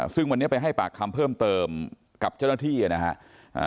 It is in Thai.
ซึ่งวันนี้ไปให้ปากคำเพิ่มเติมกับเจ้าหน้าที่นะครับ